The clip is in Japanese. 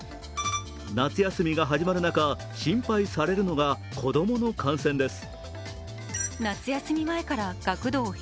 夏休みが始まる中心配されるのが子供の感染です。